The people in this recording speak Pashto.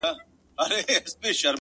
هغه به چيري وي ـ